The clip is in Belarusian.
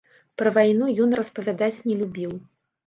Пра вайну ён распавядаць не любіў.